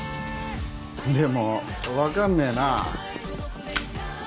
でも分かんねえな